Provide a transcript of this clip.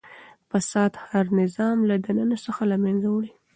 فساد هر نظام له دننه څخه له منځه وړي.